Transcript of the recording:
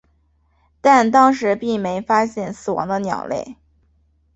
但当时并没发现死亡的鸟类。